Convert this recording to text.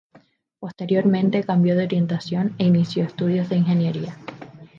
Posteriormente cambió de orientación e inició estudios de ingeniería.